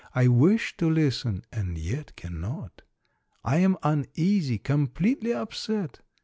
I wish to listen, and yet cannot. I am uneasy, com pletely upset.